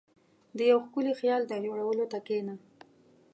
• د یو ښکلي خیال د جوړولو ته کښېنه.